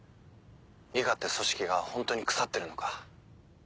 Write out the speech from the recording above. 伊賀って組織がホントに腐ってるのか。